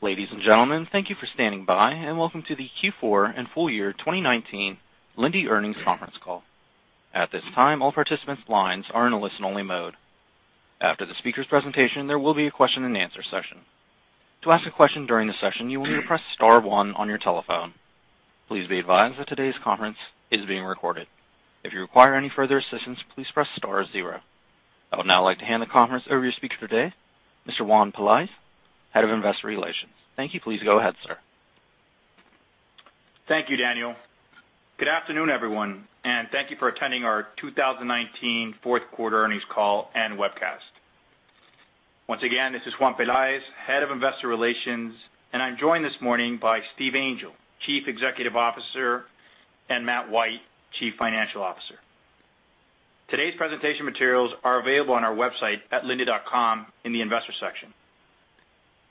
Ladies and gentlemen, thank you for standing by, and welcome to the Q4 and full year 2019 Linde earnings conference call. At this time, all participants' lines are in a listen-only mode. After the speakers' presentation, there will be a question and answer session. To ask a question during the session, you will need to press star one on your telephone. Please be advised that today's conference is being recorded. If you require any further assistance, please press star zero. I would now like to hand the conference over to your speaker today, Mr. Juan Pelaez, Head of Investor Relations. Thank you. Please go ahead, sir. Thank you, Daniel. Good afternoon, everyone, and thank you for attending our 2019 fourth quarter earnings call and webcast. Once again, this is Juan Pelaez, Head of Investor Relations, and I'm joined this morning by Steve Angel, Chief Executive Officer, and Matt White, Chief Financial Officer. Today's presentation materials are available on our website at linde.com in the investor section.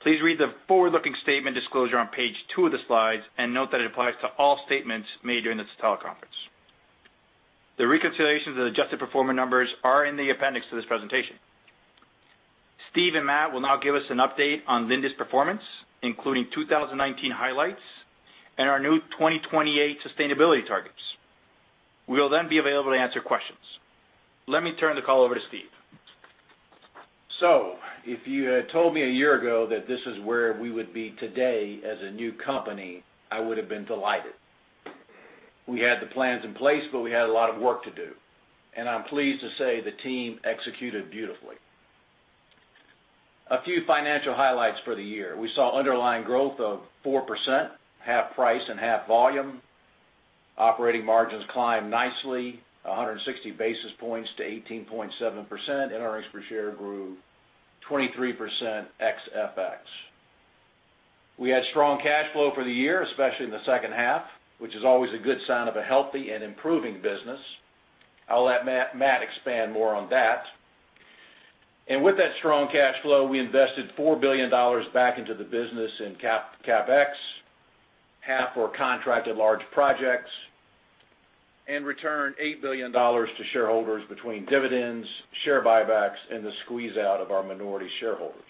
Please read the forward-looking statement disclosure on page two of the slides, and note that it applies to all statements made during this teleconference. The reconciliations of the adjusted performance numbers are in the appendix to this presentation. Steve and Matt will then give us an update on Linde's performance, including 2019 highlights and our new 2028 sustainability targets. We will then be available to answer questions. Let me turn the call over to Steve. If you had told me a year ago that this is where we would've been today as a new company, I would've been delighted. We had the plans in place, but we had a lot of work to do, and I'm pleased to say the team executed beautifully. A few financial highlights for the year. We saw underlying growth of 4%, half price and half volume. Operating margins climbed nicely, 160 basis points to 18.7%, and earnings per share grew 23% ex FX. We had strong cash flow for the year, especially in the second half, which is always a good sign of a healthy and improving business. I'll let Matt expand more on that. With that strong cash flow, we invested $4 billion back into the business in CapEx, half for contracted large projects, and returned $8 billion to shareholders between dividends, share buybacks, and the squeeze-out of our minority shareholders.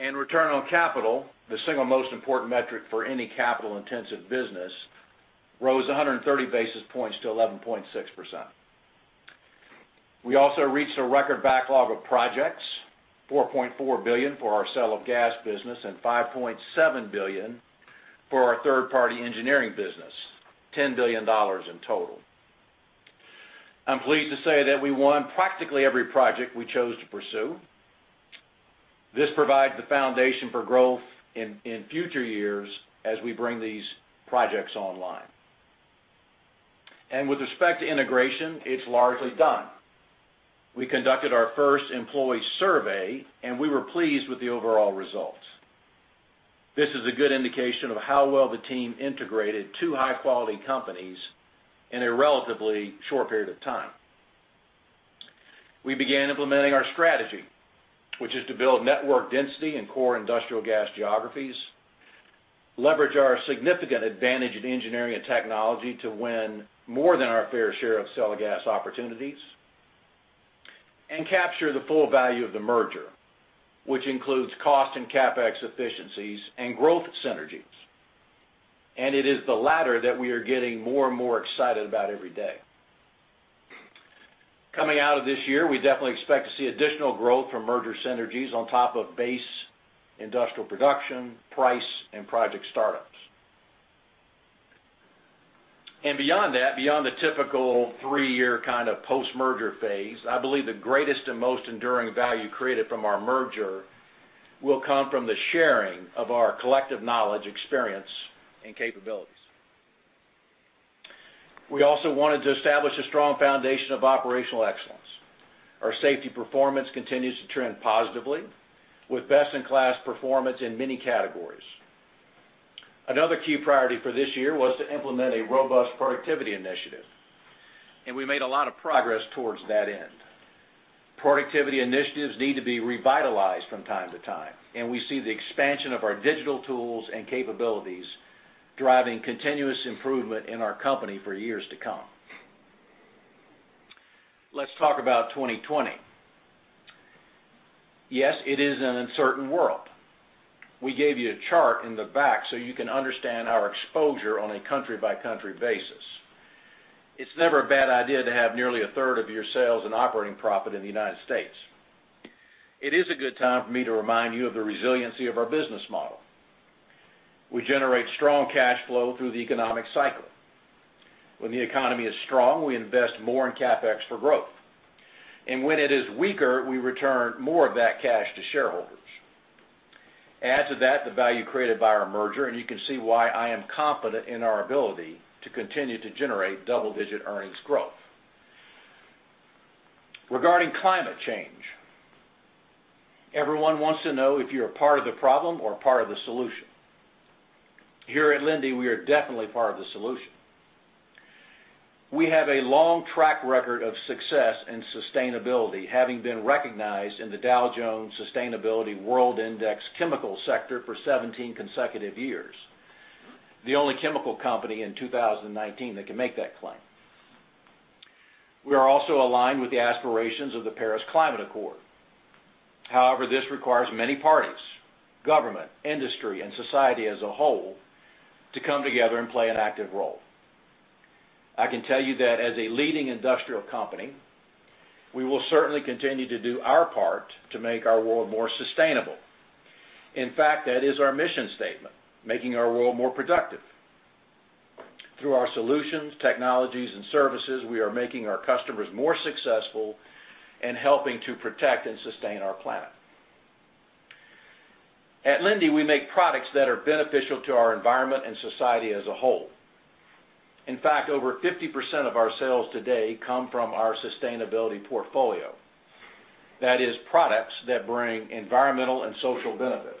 Return on capital, the single most important metric for any capital-intensive business, rose 130 basis points to 11.6%. We also reached a record backlog of projects, $4.4 billion for our sale of gas business and $5.7 billion for our third-party engineering business, $10 billion in total. I'm pleased to say that we won practically every project we chose to pursue. This provides the foundation for growth in future years as we bring these projects online. With respect to integration, it's largely done. We conducted our first employee survey, and we were pleased with the overall results. This is a good indication of how well the team integrated two high-quality companies in a relatively short period of time. We began implementing our strategy, which is to build network density in core industrial gas geographies, leverage our significant advantage in engineering and technology to win more than our fair share of sell gas opportunities, capture the full value of the merger, which includes cost and CapEx efficiencies and growth synergies. It is the latter that we are getting more and more excited about every day. Coming out of this year, we definitely expect to see additional growth from merger synergies on top of base industrial production, price, and project startups. Beyond that, beyond the typical three-year kind of post-merger phase, I believe the greatest and most enduring value created from our merger will come from the sharing of our collective knowledge, experience, and capabilities. We also wanted to establish a strong foundation of operational excellence. Our safety performance continues to trend positively, with best-in-class performance in many categories. Another key priority for this year was to implement a robust productivity initiative, and we made a lot of progress towards that end. Productivity initiatives need to be revitalized from time to time, and we see the expansion of our digital tools and capabilities driving continuous improvement in our company for years to come. Let's talk about 2020. Yes, it is an uncertain world. We gave you a chart in the back so you can understand our exposure on a country-by-country basis. It's never a bad idea to have nearly a third of your sales and operating profit in the United States. It is a good time for me to remind you of the resiliency of our business model. We generate strong cash flow through the economic cycle. When the economy is strong, we invest more in CapEx for growth. When it is weaker, we return more of that cash to shareholders. Add to that the value created by our merger, you can see why I am confident in our ability to continue to generate double-digit earnings growth. Regarding climate change, everyone wants to know if you're a part of the problem or a part of the solution. Here at Linde, we are definitely part of the solution. We have a long track record of success and sustainability, having been recognized in the Dow Jones Sustainability World Index Chemical Sector for 17 consecutive years, the only chemical company in 2019 that can make that claim. We are also aligned with the aspirations of the Paris Agreement. However, this requires many parties, government, industry, and society as a whole to come together and play an active role. I can tell you that as a leading industrial company, we will certainly continue to do our part to make our world more sustainable. In fact, that is our mission statement, making our world more productive. Through our solutions, technologies, and services, we are making our customers more successful and helping to protect and sustain our planet. At Linde, we make products that are beneficial to our environment and society as a whole. In fact, over 50% of our sales today come from our sustainability portfolio. That is products that bring environmental and social benefits.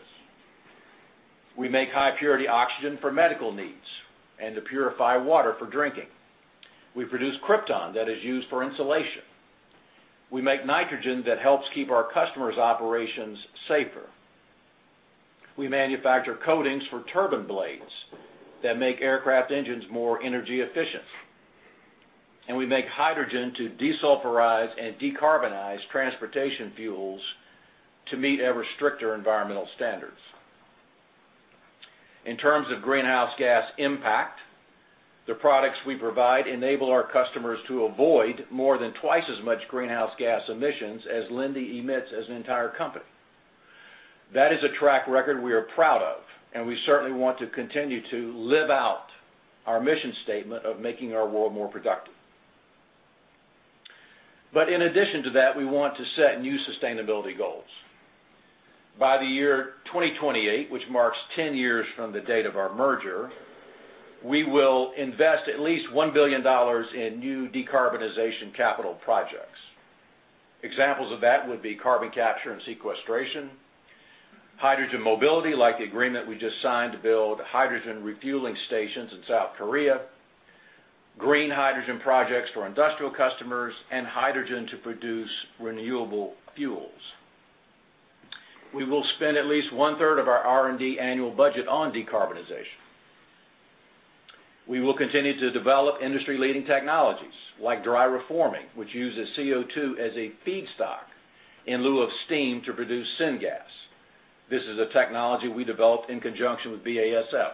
We make high purity oxygen for medical needs and to purify water for drinking. We produce krypton that is used for insulation. We make nitrogen that helps keep our customers' operations safer. We manufacture coatings for turbine blades that make aircraft engines more energy efficient. We make hydrogen to desulfurize and decarbonize transportation fuels to meet ever stricter environmental standards. In terms of greenhouse gas impact, the products we provide enable our customers to avoid more than twice as much greenhouse gas emissions as Linde emits as an entire company. That is a track record we are proud of, and we certainly want to continue to live out our mission statement of making our world more productive. In addition to that, we want to set new sustainability goals. By the year 2028, which marks 10 years from the date of our merger, we will invest at least $1 billion in new decarbonization capital projects. Examples of that would be carbon capture and sequestration, hydrogen mobility, like the agreement we just signed to build hydrogen refueling stations in South Korea, green hydrogen projects for industrial customers, and hydrogen to produce renewable fuels. We will spend at least one-third of our R&D annual budget on decarbonization. We will continue to develop industry leading technologies like dry reforming, which uses CO2 as a feedstock in lieu of steam to produce syngas. This is a technology we developed in conjunction with BASF.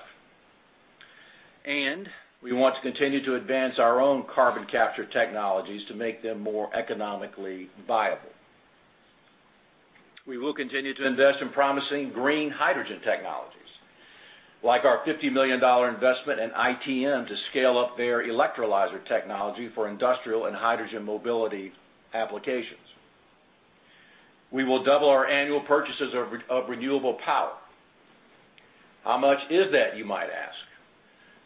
We want to continue to advance our own carbon capture technologies to make them more economically viable. We will continue to invest in promising green hydrogen technologies, like our $50 million investment in ITM to scale up their electrolyzer technology for industrial and hydrogen mobility applications. We will double our annual purchases of renewable power. How much is that, you might ask?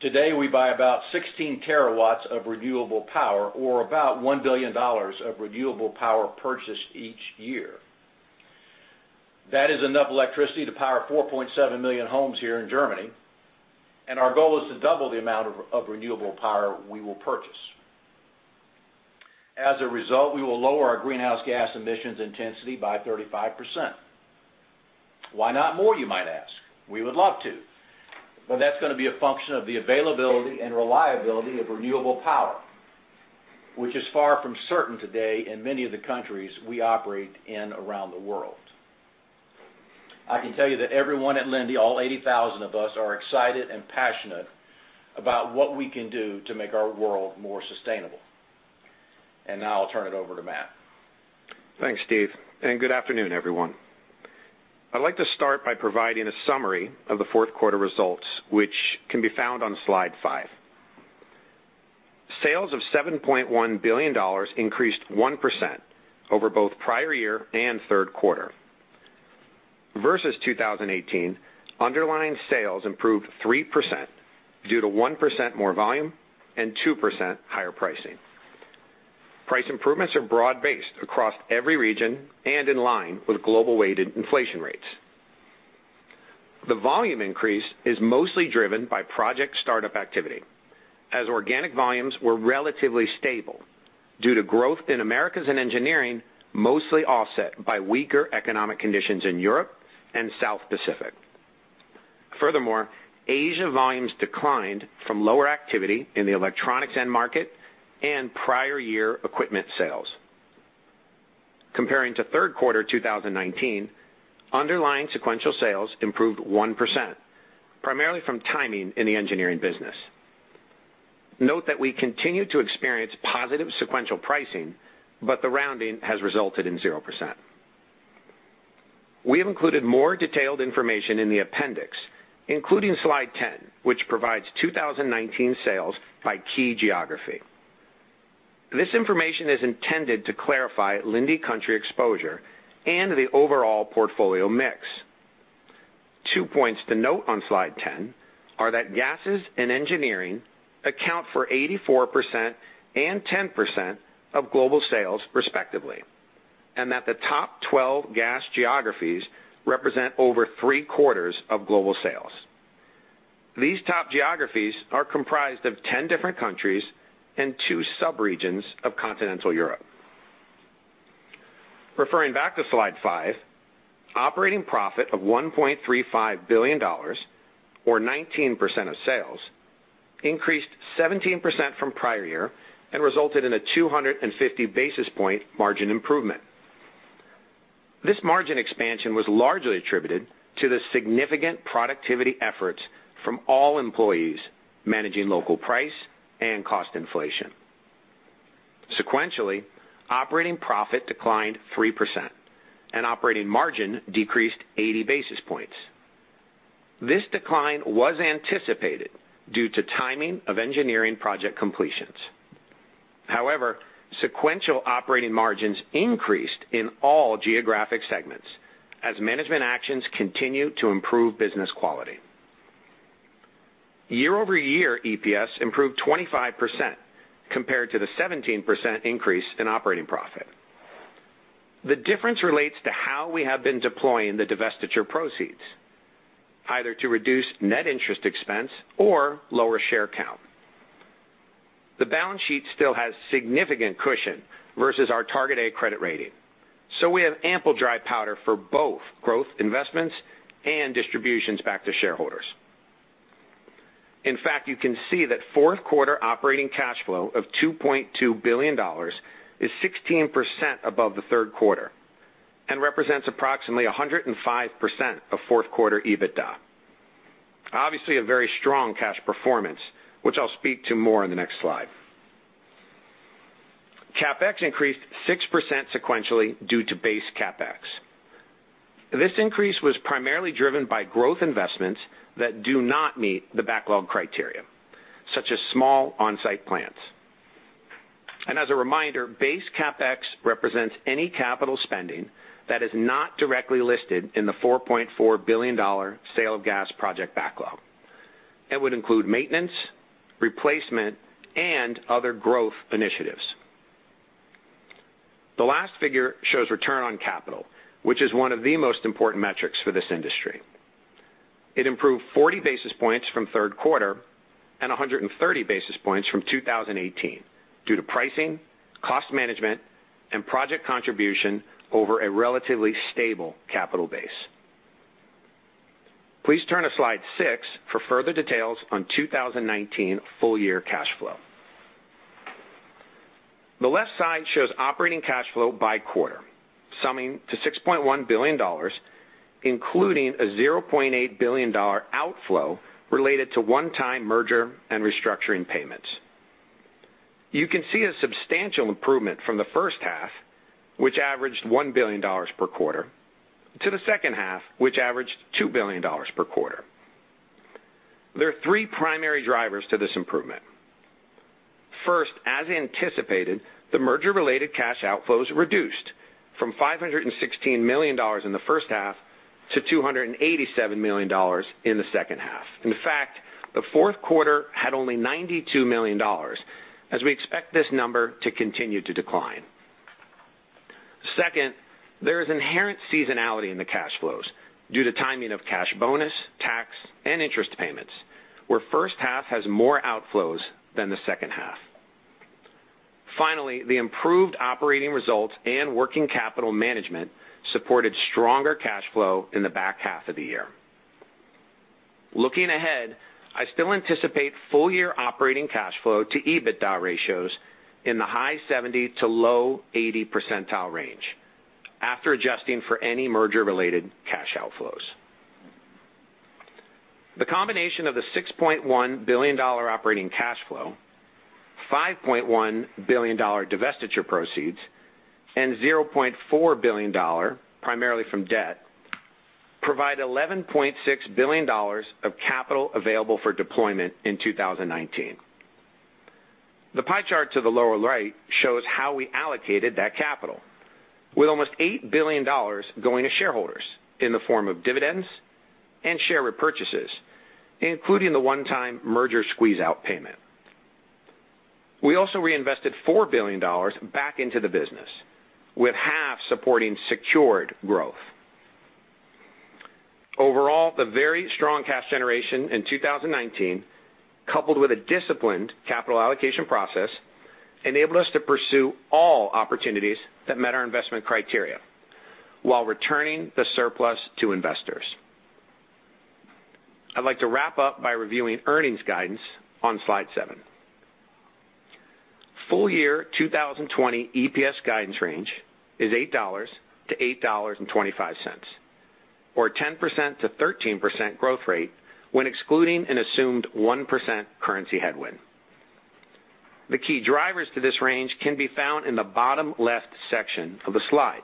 Today, we buy about 16 terawatts of renewable power or about EUR 1 billion of renewable power purchased each year. That is enough electricity to power 4.7 million homes here in Germany. Our goal is to double the amount of renewable power we will purchase. As a result, we will lower our greenhouse gas emissions intensity by 35%. Why not more, you might ask? We would love to. That's going to be a function of the availability and reliability of renewable power, which is far from certain today in many of the countries we operate in around the world. I can tell you that everyone at Linde, all 80,000 of us, are excited and passionate about what we can do to make our world more sustainable. Now I'll turn it over to Matt. Thanks, Steve. Good afternoon, everyone. I'd like to start by providing a summary of the fourth quarter results, which can be found on slide five. Sales of $7.1 billion increased 1% over both prior year and third quarter. Versus 2018, underlying sales improved 3% due to 1% more volume and 2% higher pricing. Price improvements are broad-based across every region and in line with global weighted inflation rates. The volume increase is mostly driven by project startup activity, as organic volumes were relatively stable due to growth in Americas and Engineering, mostly offset by weaker economic conditions in Europe and South Pacific. Furthermore, Asia volumes declined from lower activity in the electronics end market and prior year equipment sales. Comparing to third quarter 2019, underlying sequential sales improved 1%, primarily from timing in the Engineering business. Note that we continue to experience positive sequential pricing, but the rounding has resulted in 0%. We have included more detailed information in the appendix including slide 10, which provides 2019 sales by key geography. This information is intended to clarify Linde country exposure and the overall portfolio mix. Two points to note on slide 10 are that gases and engineering account for 84% and 10% of global sales respectively, and that the top 12 gas geographies represent over three-quarters of global sales. These top geographies are comprised of 10 different countries and two subregions of continental Europe. Referring back to slide five, operating profit of $1.35 billion, or 19% of sales, increased 17% from prior year and resulted in a 250 basis point margin improvement. This margin expansion was largely attributed to the significant productivity efforts from all employees managing local price and cost inflation. Sequentially, operating profit declined 3%, and operating margin decreased 80 basis points. This decline was anticipated due to timing of engineering project completions. However, sequential operating margins increased in all geographic segments as management actions continue to improve business quality. Year-over-year EPS improved 25% compared to the 17% increase in operating profit. The difference relates to how we have been deploying the divestiture proceeds, either to reduce net interest expense or lower share count. The balance sheet still has significant cushion versus our A2 credit rating. We have ample dry powder for both growth investments and distributions back to shareholders. In fact, you can see that fourth quarter operating cash flow of $2.2 billion is 16% above the third quarter and represents approximately 105% of fourth quarter EBITDA. Obviously, a very strong cash performance, which I'll speak to more in the next slide. CapEx increased 6% sequentially due to base CapEx. This increase was primarily driven by growth investments that do not meet the backlog criteria, such as small on-site plants. As a reminder, base CapEx represents any capital spending that is not directly listed in the $4.4 billion sale of gas project backlog. It would include maintenance, replacement, and other growth initiatives. The last figure shows return on capital, which is one of the most important metrics for this industry. It improved 40 basis points from the third quarter and 130 basis points from 2018 due to pricing, cost management, and project contribution over a relatively stable capital base. Please turn to slide six for further details on 2019 full-year cash flow. The left side shows operating cash flow by quarter, summing to $6.1 billion, including a $0.8 billion outflow related to one-time merger and restructuring payments. You can see a substantial improvement from the first half, which averaged $1 billion per quarter, to the second half, which averaged $2 billion per quarter. There are three primary drivers to this improvement. First, as anticipated, the merger-related cash outflows reduced from $516 million in the first half to $287 million in the second half. In fact, the fourth quarter had only $92 million, as we expect this number to continue to decline. Second, there is inherent seasonality in the cash flows due to timing of cash bonus, tax, and interest payments, where the first half has more outflows than the second half. Finally, the improved operating results and working capital management supported stronger cash flow in the back half of the year. Looking ahead, I still anticipate full-year operating cash flow to EBITDA ratios in the high 70 to low 80 percentile range after adjusting for any merger-related cash outflows. The combination of the $6.1 billion operating cash flow, $5.1 billion divestiture proceeds, and $0.4 billion, primarily from debt, provide $11.6 billion of capital available for deployment in 2019. The pie chart to the lower right shows how we allocated that capital, with almost $8 billion going to shareholders in the form of dividends and share repurchases, including the one-time merger squeeze-out payment. We also reinvested $4 billion back into the business, with half supporting secured growth. Overall, the very strong cash generation in 2019, coupled with a disciplined capital allocation process, enabled us to pursue all opportunities that met our investment criteria while returning the surplus to investors. I'd like to wrap up by reviewing earnings guidance on slide seven. Full-year 2020 EPS guidance range is $8-$8.25, or 10%-13% growth rate when excluding an assumed 1% currency headwind. The key drivers to this range can be found in the bottom left section of the slide.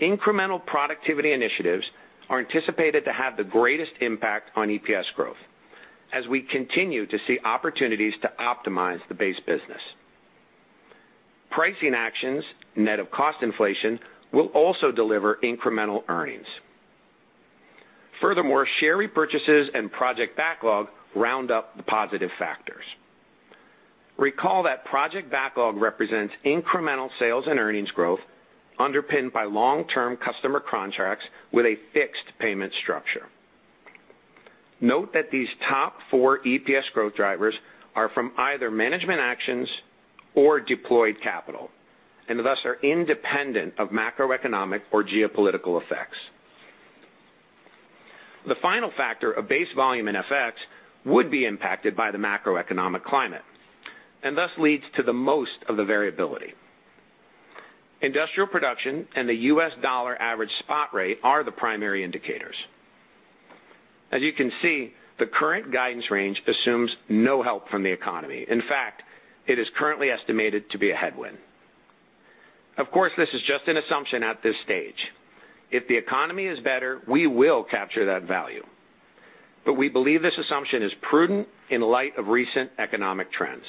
Incremental productivity initiatives are anticipated to have the greatest impact on EPS growth as we continue to see opportunities to optimize the base business. Pricing actions, net of cost inflation, will also deliver incremental earnings. Furthermore, share repurchases and project backlog round up the positive factors. Recall that project backlog represents incremental sales and earnings growth underpinned by long-term customer contracts with a fixed payment structure. Note that these top four EPS growth drivers are from either management actions or deployed capital, and thus are independent of macroeconomic or geopolitical effects. The final factor of base volume and FX would be impacted by the macroeconomic climate, thus leads to the most of the variability. Industrial production and the U.S. dollar average spot rate are the primary indicators. As you can see, the current guidance range assumes no help from the economy. In fact, it is currently estimated to be a headwind. Of course, this is just an assumption at this stage. If the economy is better, we will capture that value. We believe this assumption is prudent in light of recent economic trends.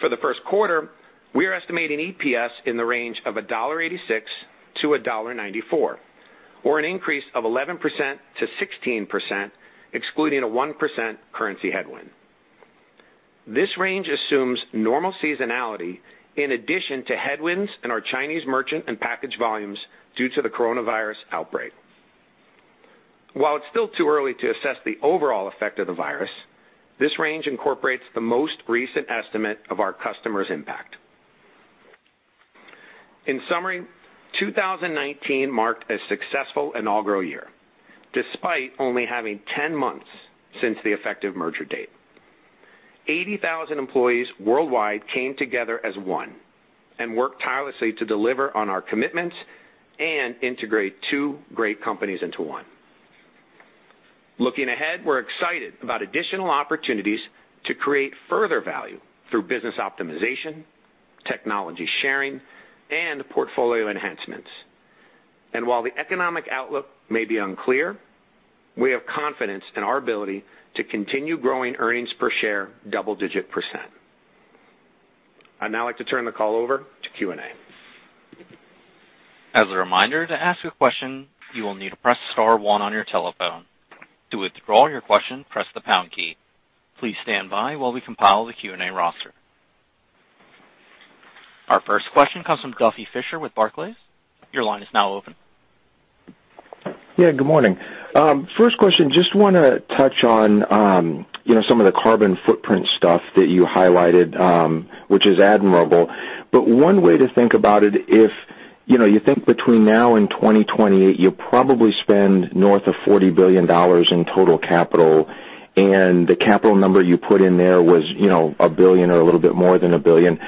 For the first quarter, we are estimating EPS in the range of $1.86-$1.94, or an increase of 11%-16%, excluding a 1% currency headwind. This range assumes normal seasonality in addition to headwinds in our Chinese merchant and package volumes due to the coronavirus outbreak. While it's still too early to assess the overall effect of the virus, this range incorporates the most recent estimate of our customers' impact. In summary, 2019 marked a successful inaugural year, despite only having 10 months since the effective merger date. 80,000 employees worldwide came together as one and worked tirelessly to deliver on our commitments and integrate two great companies into one. Looking ahead, we're excited about additional opportunities to create further value through business optimization, technology sharing, and portfolio enhancements. While the economic outlook may be unclear, we have confidence in our ability to continue growing earnings per share double-digit %. I'd now like to turn the call over to Q&A. As a reminder, to ask a question, you will need to press star one on your telephone. To withdraw your question, press the pound key. Please stand by while we compile the Q&A roster. Our first question comes from Duffy Fischer with Barclays. Your line is now open. Yeah, good morning. First question, just want to touch on some of the carbon footprint stuff that you highlighted, which is admirable. One way to think about it, if you think between now and 2028, you'll probably spend north of $40 billion in total capital, and the capital number you put in there was $1 billion or a little bit more than $1 billion.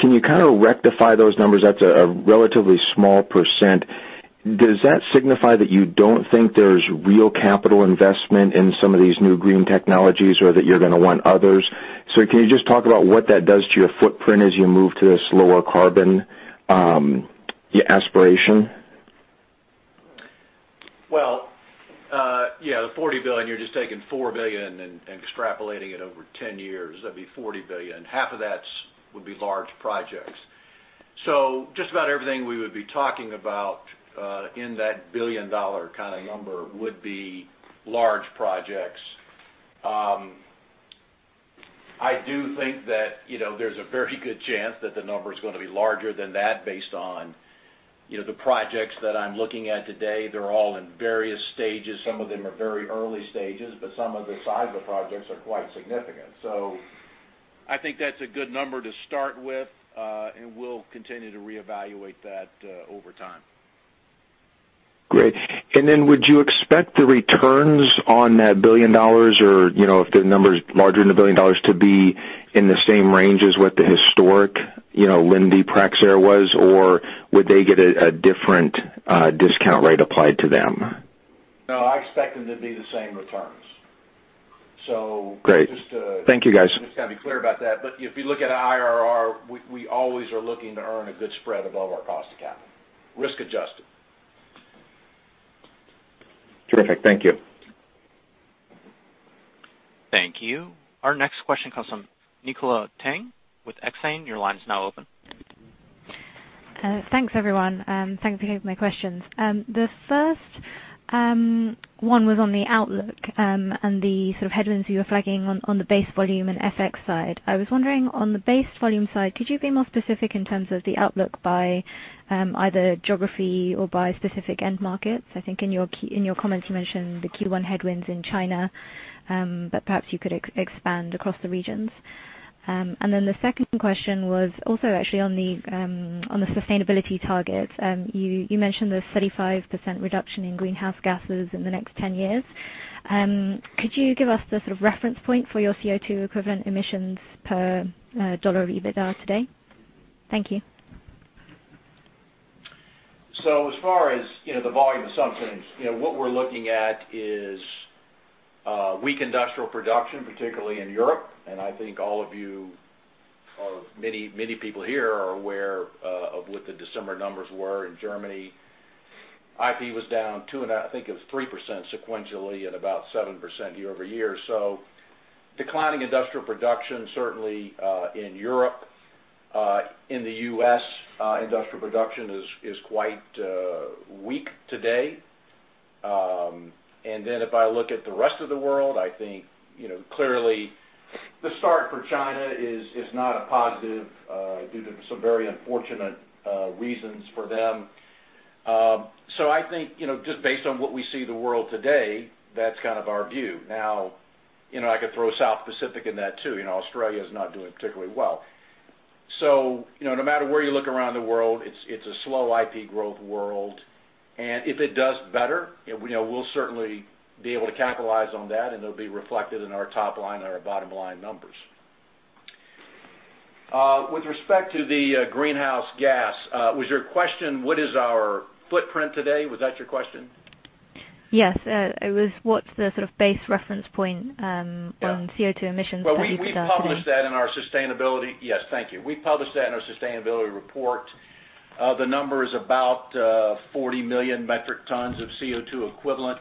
Can you kind of rectify those numbers? That's a relatively small %. Does that signify that you don't think there's real capital investment in some of these new green technologies, or that you're going to want others? Can you just talk about what that does to your footprint as you move to this lower carbon aspiration? Well, yeah. The $40 billion, you're just taking $4 billion and extrapolating it over 10 years. That'd be $40 billion. Half of that would be large projects. Just about everything we would be talking about in that billion-dollar kind of number would be large projects. I do think that there's a very good chance that the number's going to be larger than that based on the projects that I'm looking at today. They're all in various stages. Some of them are very early stages, but some of the size of the projects are quite significant. I think that's a good number to start with, and we'll continue to reevaluate that over time. Great. Then would you expect the returns on that $1 billion or if the number's larger than $1 billion to be in the same range as what the historic Linde Praxair was, or would they get a different discount rate applied to them? No, I expect them to be the same returns. Great. Thank you, guys. just got to be clear about that. If you look at our IRR, we always are looking to earn a good spread above our cost of capital, risk adjusted. Terrific. Thank you. Thank you. Our next question comes from Nicola Tang with Exane. Your line is now open. Thanks, everyone. Thanks for taking my questions. The first one was on the outlook, the sort of headwinds you were flagging on the base volume and FX side. I was wondering, on the base volume side, could you be more specific in terms of the outlook by either geography or by specific end markets? I think in your comments you mentioned the Q1 headwinds in China, perhaps you could expand across the regions. The second question was also actually on the sustainability targets. You mentioned the 35% reduction in greenhouse gases in the next 10 years. Could you give us the sort of reference point for your CO2 equivalent emissions per $ of EBITDA today? Thank you. As far as the volume assumptions, what we're looking at is weak industrial production, particularly in Europe, and I think all of you, or many people here are aware of what the December numbers were in Germany. IP was down two and I think it was 3% sequentially, and about 7% year-over-year. Declining industrial production certainly in Europe. In the U.S., industrial production is quite weak today. Then if I look at the rest of the world, I think clearly The start for China is not a positive due to some very unfortunate reasons for them. I think, just based on what we see the world today, that's kind of our view. I could throw South Pacific in that too. Australia is not doing particularly well. No matter where you look around the world, it's a slow IP growth world. If it does better, we'll certainly be able to capitalize on that, and it'll be reflected in our top line and our bottom-line numbers. With respect to the greenhouse gas, was your question, what is our footprint today? Was that your question? Yes. It was what's the sort of base reference point on CO2 emissions that you put out today? Yes, thank you. We published that in our sustainability report. The number is about 40 million metric tons of CO2 equivalent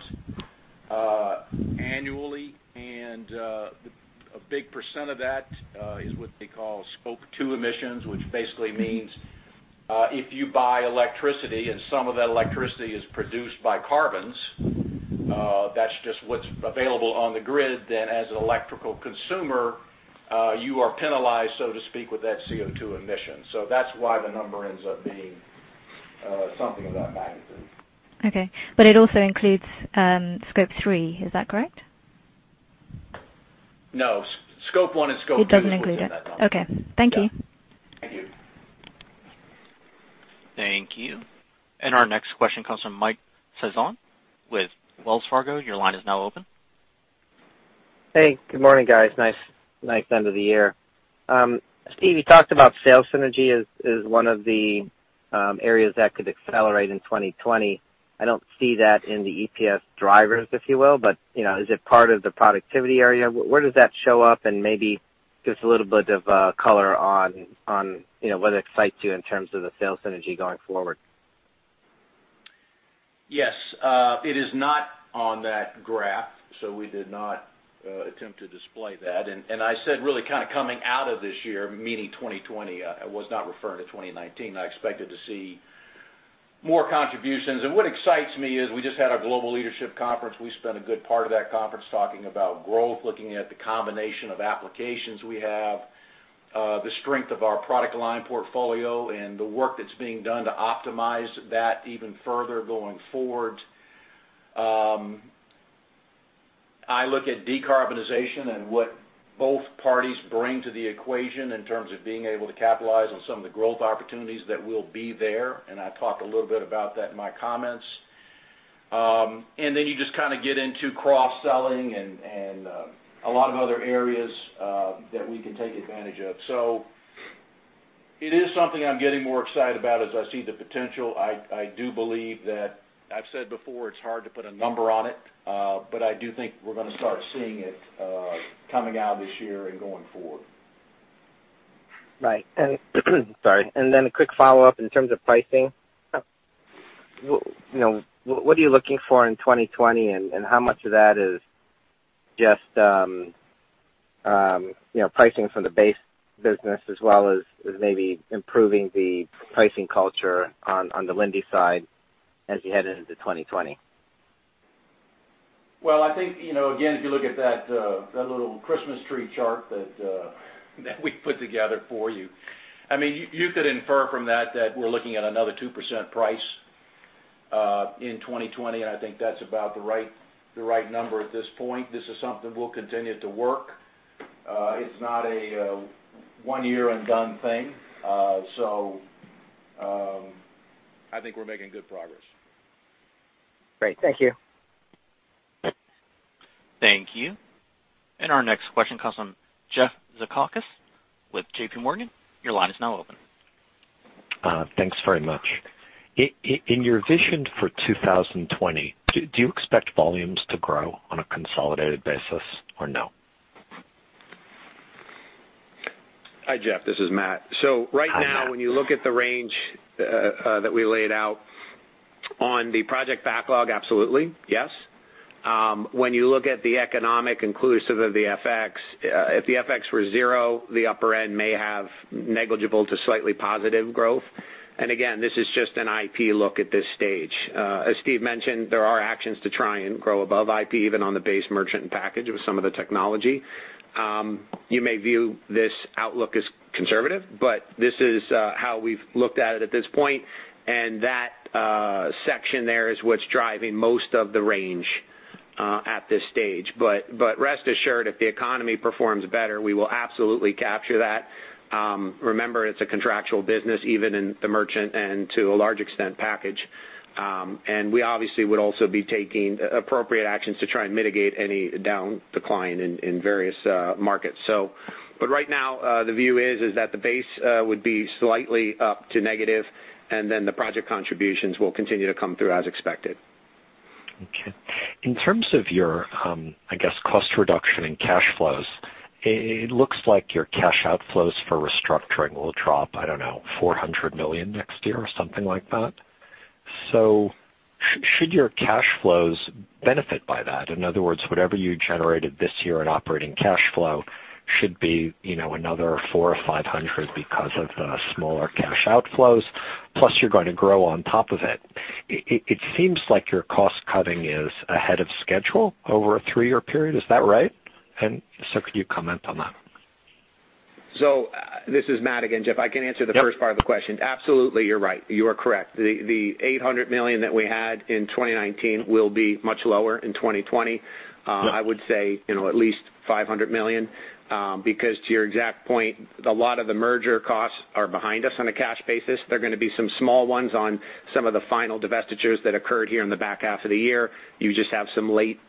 annually. A big % of that is what they call Scope 2 emissions, which basically means, if you buy electricity and some of that electricity is produced by carbons, that's just what's available on the grid, then as an electrical consumer, you are penalized, so to speak, with that CO2 emission. That's why the number ends up being something of that magnitude. Okay. It also includes Scope 3. Is that correct? No. Scope 1 and Scope 2 is what's in that number. It doesn't include it. Okay. Thank you. Yeah. Thank you. Thank you. Our next question comes from Mike Sison with Wells Fargo. Your line is now open. Hey, good morning, guys. Nice end of the year. Steve, you talked about sales synergy as one of the areas that could accelerate in 2020. I don't see that in the EPS drivers, if you will. Is it part of the productivity area? Where does that show up, and maybe give us a little bit of color on what excites you in terms of the sales synergy going forward? Yes. It is not on that graph. We did not attempt to display that. I said, really kind of coming out of this year, meaning 2020. I was not referring to 2019. I expected to see more contributions. What excites me is we just had our global leadership conference. We spent a good part of that conference talking about growth, looking at the combination of applications we have, the strength of our product line portfolio, and the work that's being done to optimize that even further going forward. I look at decarbonization and what both parties bring to the equation in terms of being able to capitalize on some of the growth opportunities that will be there, and I talked a little bit about that in my comments. You just kind of get into cross-selling and a lot of other areas that we can take advantage of. It is something I'm getting more excited about as I see the potential. I do believe that I've said before, it's hard to put a number on it, but I do think we're going to start seeing it coming out this year and going forward. Then a quick follow-up in terms of pricing. What are you looking for in 2020, and how much of that is just pricing from the base business as well as maybe improving the pricing culture on the Linde side as you head into 2020? Well, I think, again, if you look at that little Christmas tree chart that we put together for you. You could infer from that we're looking at another 2% price in 2020, and I think that's about the right number at this point. This is something we'll continue to work. It's not a one-year-and-done thing. I think we're making good progress. Great. Thank you. Thank you. Our next question comes from Jeff Zekauskas with JPMorgan. Your line is now open. Thanks very much. In your vision for 2020, do you expect volumes to grow on a consolidated basis or no? Hi, Jeff. This is Matt. Hi, Matt. Right now, when you look at the range that we laid out on the project backlog, absolutely. Yes. When you look at the economic inclusive of the FX, if the FX were zero, the upper end may have negligible to slightly positive growth. Again, this is just an IP look at this stage. As Steve mentioned, there are actions to try and grow above IP, even on the base merchant package with some of the technology. You may view this outlook as conservative, but this is how we've looked at it at this point, and that section there is what's driving most of the range at this stage. Rest assured, if the economy performs better, we will absolutely capture that. Remember, it's a contractual business, even in the merchant and to a large extent, package. We obviously would also be taking appropriate actions to try and mitigate any down decline in various markets. Right now, the view is that the base would be slightly up to negative, and then the project contributions will continue to come through as expected. Okay. In terms of your, I guess, cost reduction in cash flows, it looks like your cash outflows for restructuring will drop, I don't know, $400 million next year or something like that. Should your cash flows benefit by that? In other words, whatever you generated this year in operating cash flow should be another $400 or $500 because of the smaller cash outflows, plus you're going to grow on top of it. It seems like your cost-cutting is ahead of schedule over a three-year period. Is that right? Could you comment on that? This is Matt again, Jeff. I can answer the first part of the question. Absolutely, you're right. You are correct. The $800 million that we had in 2019 will be much lower in 2020. I would say at least $500 million, because to your exact point, a lot of the merger costs are behind us on a cash basis. There are going to be some small ones on some of the final divestitures that occurred here in the back half of the year. You just have some late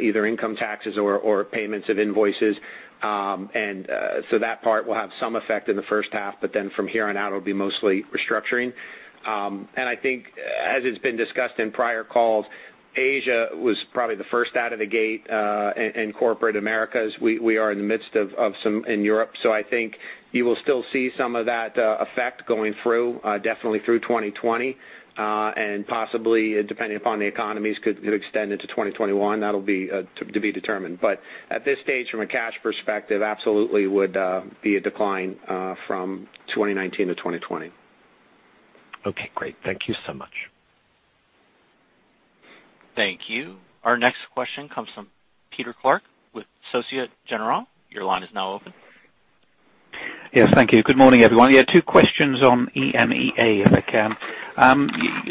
either income taxes or payments of invoices. That part will have some effect in the first half, but then from here on out, it'll be mostly restructuring. I think as it's been discussed in prior calls, Asia was probably the first out of the gate in corporate Americas. We are in the midst of some in Europe. I think you will still see some of that effect going through definitely through 2020. Possibly depending upon the economies, could extend into 2021. That'll be to be determined, but at this stage, from a cash perspective, absolutely would be a decline from 2019 to 2020. Okay, great. Thank you so much. Thank you. Our next question comes from Peter Clark with Société Générale. Your line is now open. Yes, thank you. Good morning, everyone. Yeah, two questions on EMEA, if I can.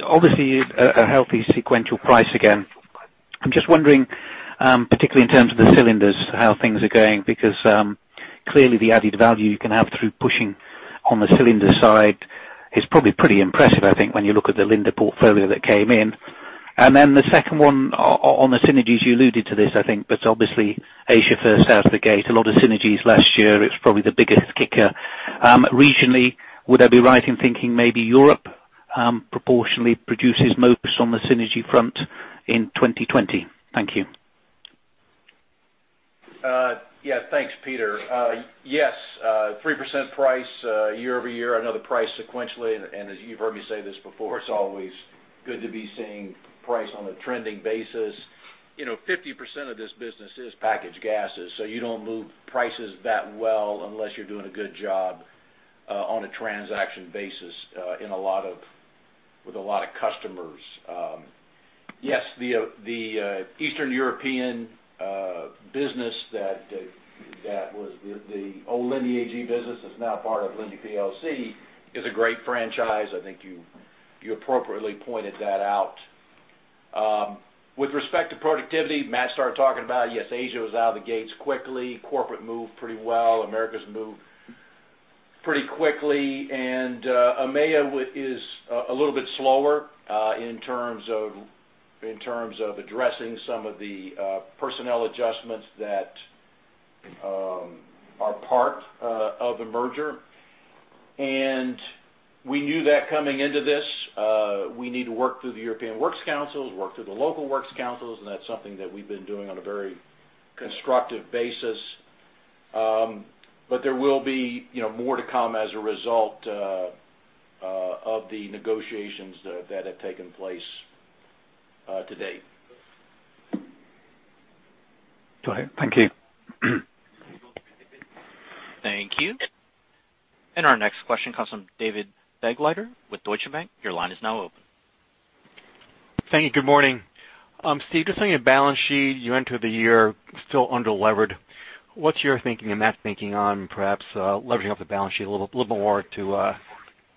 Obviously, a healthy sequential price again. I'm just wondering, particularly in terms of the cylinders, how things are going, because clearly the added value you can have through pushing on the cylinder side is probably pretty impressive, I think, when you look at the Linde portfolio that came in. The second one on the synergies, you alluded to this, I think, but obviously Asia first out of the gate, a lot of synergies last year. It's probably the biggest kicker. Regionally, would I be right in thinking maybe Europe proportionally produces most on the synergy front in 2020? Thank you. Yeah. Thanks, Peter. Yes, 3% price year-over-year. Another price sequentially. As you've heard me say this before, it's always good to be seeing price on a trending basis. 50% of this business is packaged gases. You don't move prices that well unless you're doing a good job on a transaction basis with a lot of customers. Yes, the Eastern European business that was the old Linde AG business is now part of Linde plc, is a great franchise. I think you appropriately pointed that out. With respect to productivity, Matt started talking about, yes, Asia was out of the gates quickly. Corporate moved pretty well. Americas moved pretty quickly. EMEA is a little bit slower in terms of addressing some of the personnel adjustments that are part of the merger. We knew that coming into this. We need to work through the European Works Councils, work through the local works councils, and that's something that we've been doing on a very constructive basis. There will be more to come as a result of the negotiations that have taken place to date. Go ahead. Thank you. Thank you. Our next question comes from David Begleiter with Deutsche Bank. Your line is now open. Thank you. Good morning. Steve, just on your balance sheet, you entered the year still under-levered. What's your thinking and Matt's thinking on perhaps leveraging up the balance sheet a little bit more to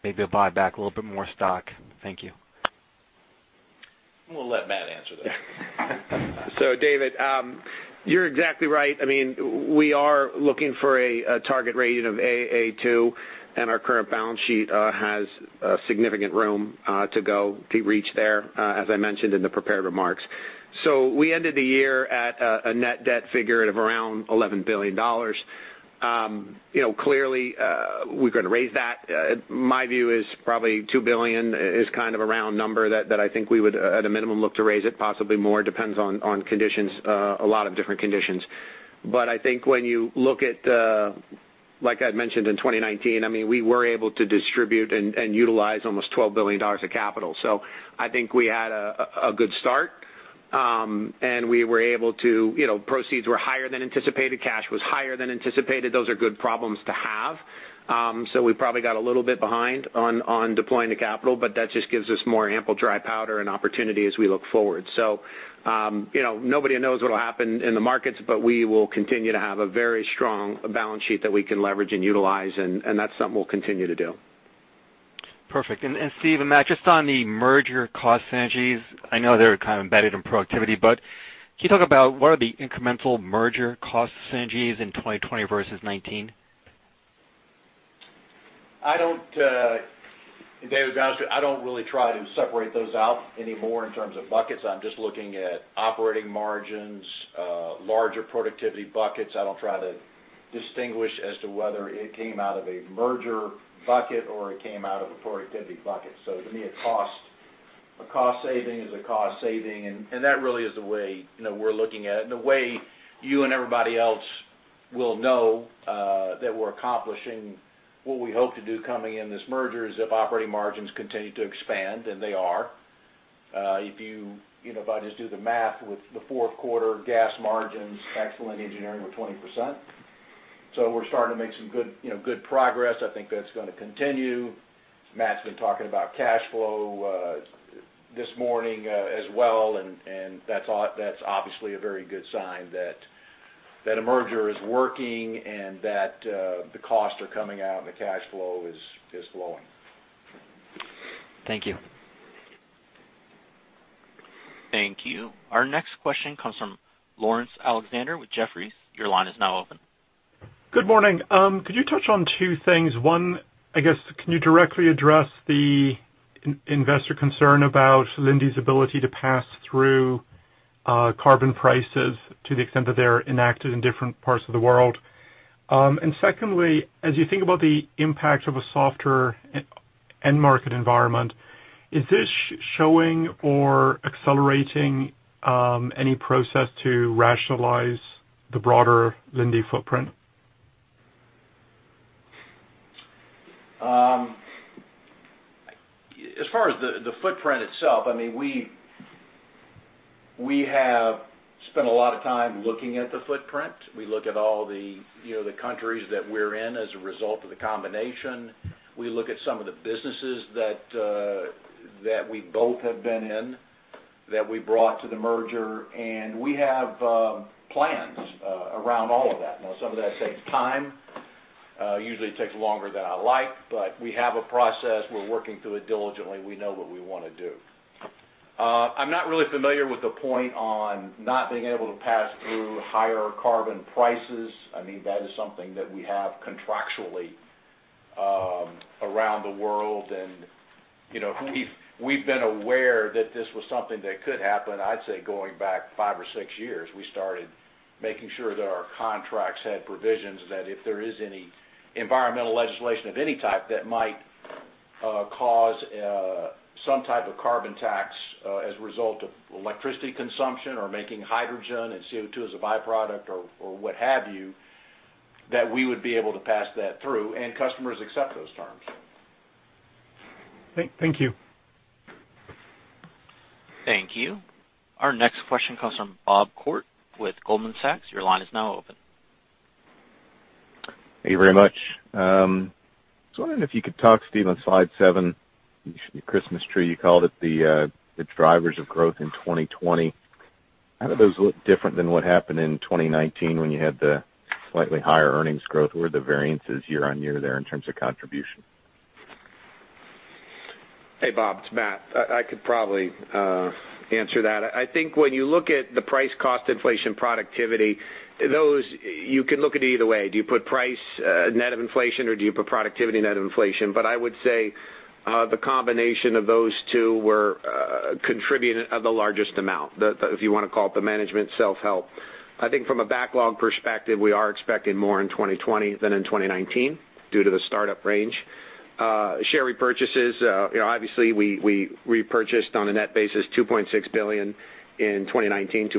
maybe buy back a little bit more stock? Thank you. We'll let Matt answer that. David, you're exactly right. We are looking for a target rating of A2, and our current balance sheet has significant room to go to reach there, as I mentioned in the prepared remarks. We ended the year at a net debt figure of around $11 billion. Clearly, we're going to raise that. My view is probably $2 billion is kind of a round number that I think we would, at a minimum, look to raise it possibly more, depends on a lot of different conditions. I think when you look at, like I'd mentioned in 2019, we were able to distribute and utilize almost $12 billion of capital. I think we had a good start. Proceeds were higher than anticipated. Cash was higher than anticipated. Those are good problems to have. We probably got a little bit behind on deploying the capital, but that just gives us more ample dry powder and opportunity as we look forward. Nobody knows what'll happen in the markets, but we will continue to have a very strong balance sheet that we can leverage and utilize, and that's something we'll continue to do. Perfect. Steve and Matt, just on the merger cost synergies, I know they're kind of embedded in productivity, but can you talk about what are the incremental merger cost synergies in 2020 versus 2019? David, honestly, I don't really try to separate those out anymore in terms of buckets. I'm just looking at operating margins, larger productivity buckets. I don't try to distinguish as to whether it came out of a merger bucket or it came out of a productivity bucket. To me, a cost saving is a cost saving, and that really is the way we're looking at it. The way you and everybody else will know that we're accomplishing what we hope to do coming in this merger is if operating margins continue to expand, and they are. If you just do the math with the fourth quarter gas margins, excellent engineering with 20%. We're starting to make some good progress. I think that's going to continue. Matt's been talking about cash flow this morning as well, that's obviously a very good sign that a merger is working and that the costs are coming out and the cash flow is flowing. Thank you. Thank you. Our next question comes from Laurence Alexander with Jefferies. Your line is now open. Good morning. Could you touch on two things? One, I guess, can you directly address the investor concern about Linde's ability to pass through carbon prices to the extent that they're enacted in different parts of the world? Secondly, as you think about the impact of a softer end market environment, is this showing or accelerating any process to rationalize the broader Linde footprint? As far as the footprint itself, we have spent a lot of time looking at the footprint. We look at all the countries that we're in as a result of the combination. We look at some of the businesses that we both have been in, that we brought to the merger. We have plans around all of that. Some of that takes time. Usually it takes longer than I like. We have a process. We're working through it diligently. We know what we want to do. I'm not really familiar with the point on not being able to pass through higher carbon prices. That is something that we have contractually around the world. We've been aware that this was something that could happen, I'd say, going back five or six years. We started making sure that our contracts had provisions that if there is any environmental legislation of any type that might cause some type of carbon tax as a result of electricity consumption or making hydrogen and CO2 as a byproduct or what have you, that we would be able to pass that through, and customers accept those terms. Thank you. Thank you. Our next question comes from Bob Koort with Goldman Sachs. Your line is now open. Thank you very much. Just wondering if you could talk, Steve, on slide seven, your Christmas tree, you called it, the drivers of growth in 2020. How do those look different than what happened in 2019 when you had the slightly higher earnings growth? Where are the variances year-on-year there in terms of contribution? Hey, Bob. It's Matt. I could probably answer that. I think when you look at the price cost inflation productivity, those you can look at either way. Do you put price net of inflation or do you put productivity net of inflation? I would say the combination of those two contributed the largest amount. If you want to call it the management self-help. I think from a backlog perspective, we are expecting more in 2020 than in 2019 due to the startup range. Share repurchases, obviously we repurchased on a net basis $2.6 billion in 2019.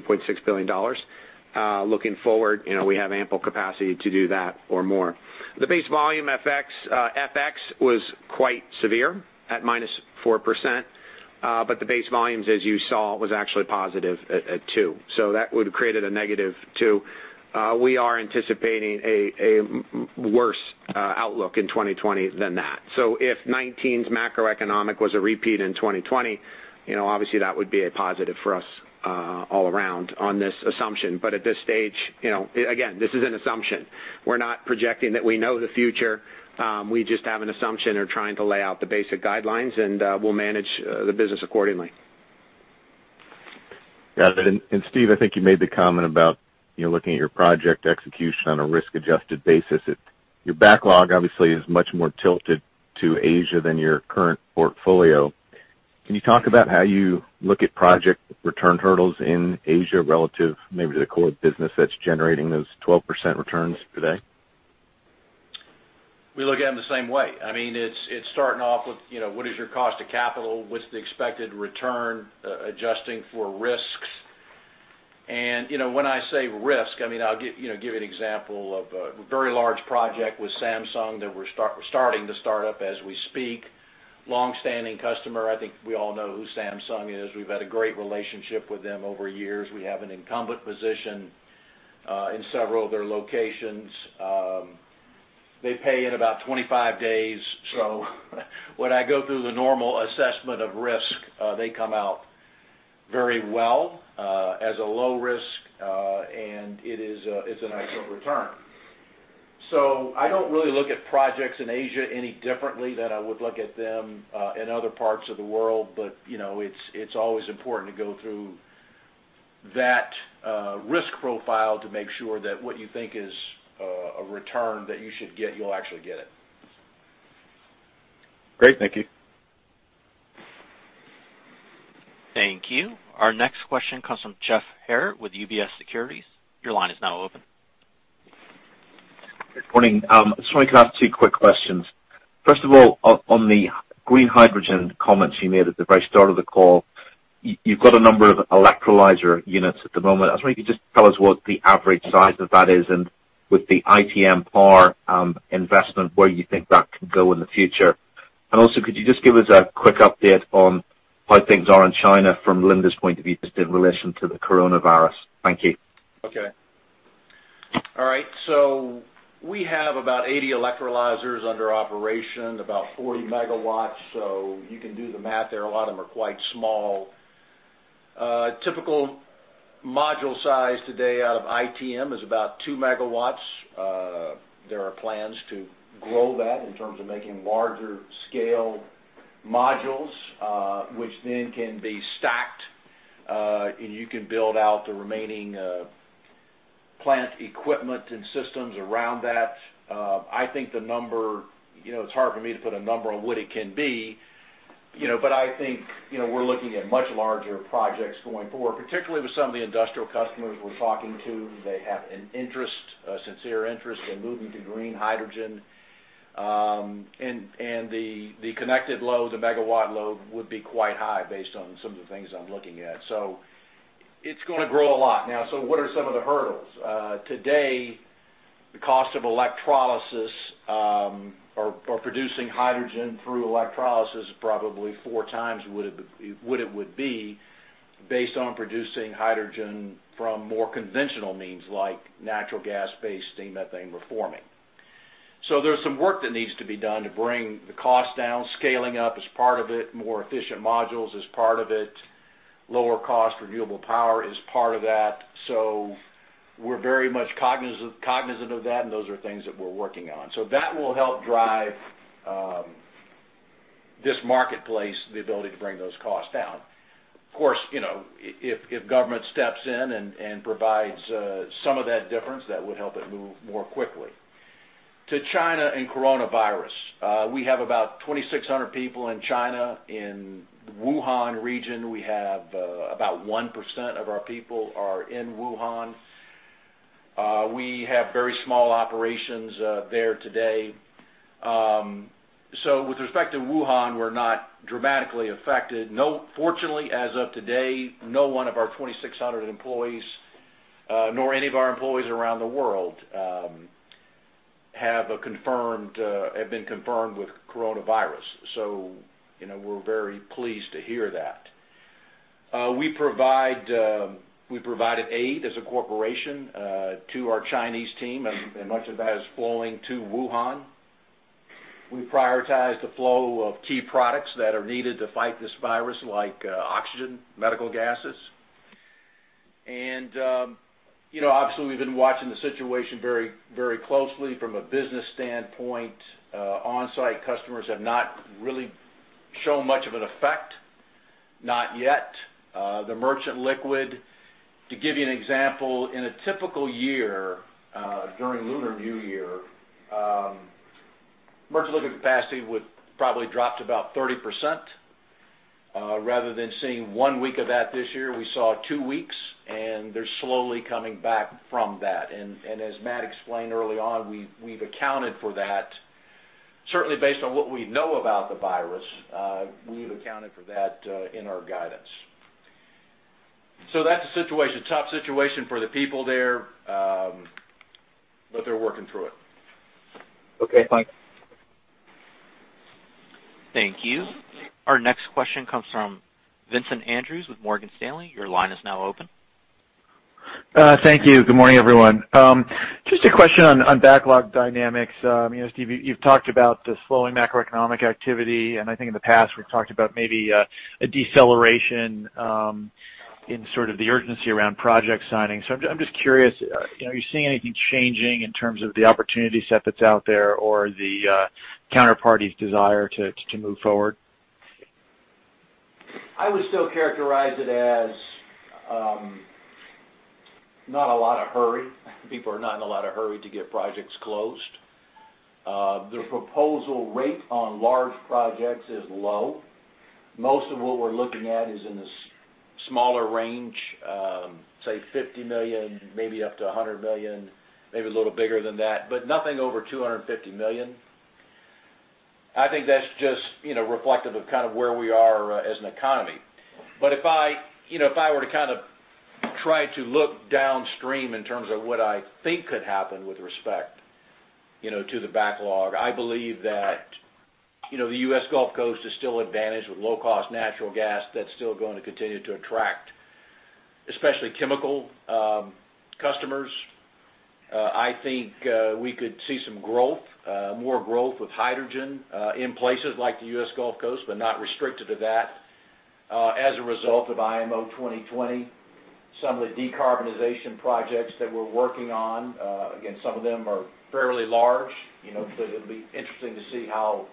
Looking forward, we have ample capacity to do that or more. The base volume FX was quite severe at -4%, the base volumes, as you saw, was actually positive at two. That would've created a negative two. We are anticipating a worse outlook in 2020 than that. If 2019's macroeconomic was a repeat in 2020, obviously that would be a positive for us all around on this assumption. At this stage, again, this is an assumption. We're not projecting that we know the future. We just have an assumption or trying to lay out the basic guidelines, and we'll manage the business accordingly. Got it. Steve, I think you made the comment about looking at your project execution on a risk-adjusted basis. Your backlog obviously is much more tilted to Asia than your current portfolio. Can you talk about how you look at project return hurdles in Asia relative maybe to the core business that's generating those 12% returns today? We look at them the same way. It's starting off with what is your cost of capital? What's the expected return adjusting for risks? When I say risk, I'll give you an example of a very large project with Samsung that we're starting to start up as we speak. Long-standing customer. I think we all know who Samsung is. We've had a great relationship with them over years. We have an incumbent position in several of their locations. They pay in about 25 days. When I go through the normal assessment of risk, they come out very well, as a low risk, and it's a nice little return. I don't really look at projects in Asia any differently than I would look at them in other parts of the world. It's always important to go through that risk profile to make sure that what you think is a return that you should get, you'll actually get it. Great. Thank you. Thank you. Our next question comes from Jeff Harris with UBS Securities. Your line is now open. Good morning. I was wondering if I could ask two quick questions. First of all, on the green hydrogen comments you made at the very start of the call. You've got a number of electrolyzer units at the moment. I was wondering if you could just tell us what the average size of that is, and with the ITM Power investment, where you think that could go in the future. Could you just give us a quick update on how things are in China from Linde's point of view just in relation to the coronavirus? Thank you. Okay. All right. We have about 80 electrolyzers under operation, about 40 MW. You can do the math there. A lot of them are quite small. A typical module size today out of ITM is about two megawatts. There are plans to grow that in terms of making larger scale modules, which then can be stacked, and you can build out the remaining plant equipment and systems around that. It's hard for me to put a number on what it can be. I think we're looking at much larger projects going forward, particularly with some of the industrial customers we're talking to. They have a sincere interest in moving to green hydrogen. The connected load, the megawatt load, would be quite high based on some of the things I'm looking at. It's going to grow a lot. Now, what are some of the hurdles? Today, the cost of electrolysis or producing hydrogen through electrolysis is probably four times what it would be based on producing hydrogen from more conventional means, like natural gas-based steam methane reforming. There's some work that needs to be done to bring the cost down. Scaling up is part of it. More efficient modules is part of it. Lower cost renewable power is part of that. We're very much cognizant of that, and those are things that we're working on. That will help drive this marketplace, the ability to bring those costs down. Of course, if government steps in and provides some of that difference, that would help it move more quickly. China and coronavirus. We have about 2,600 people in China. In the Wuhan region, we have about 1% of our people are in Wuhan. We have very small operations there today. With respect to Wuhan, we're not dramatically affected. Fortunately, as of today, no one of our 2,600 employees, nor any of our employees around the world, have been confirmed with coronavirus. We're very pleased to hear that. We provided aid as a corporation to our Chinese team, and much of that is flowing to Wuhan. We prioritize the flow of key products that are needed to fight this virus, like oxygen, medical gases. Obviously, we've been watching the situation very closely from a business standpoint. On-site customers have not really shown much of an effect, not yet. The merchant liquid. To give you an example, in a typical year, during Lunar New Year, merchant liquid capacity would probably drop to about 30%. Rather than seeing one week of that this year, we saw two weeks, and they're slowly coming back from that. As Matt explained early on, we've accounted for that. Certainly based on what we know about the virus, we've accounted for that in our guidance. That's the situation. Tough situation for the people there, but they're working through it. Okay, thanks. Thank you. Our next question comes from Vincent Andrews with Morgan Stanley. Your line is now open. Thank you. Good morning, everyone. Steve, you've talked about the slowing macroeconomic activity, I think in the past, we've talked about maybe a deceleration in sort of the urgency around project signing. I'm just curious, are you seeing anything changing in terms of the opportunity set that's out there or the counterparty's desire to move forward? I would still characterize it as not a lot of hurry. People are not in a lot of hurry to get projects closed. The proposal rate on large projects is low. Most of what we're looking at is in the smaller range, say $50 million, maybe up to $100 million, maybe a little bigger than that, but nothing over $250 million. I think that's just reflective of kind of where we are as an economy. If I were to kind of try to look downstream in terms of what I think could happen with respect to the backlog, I believe that the U.S. Gulf Coast is still advantaged with low-cost natural gas that's still going to continue to attract especially chemical customers. I think we could see some more growth with hydrogen in places like the U.S. Gulf Coast, not restricted to that as a result of IMO 2020. Some of the decarbonization projects that we're working on. Some of them are fairly large so it'll be interesting to see how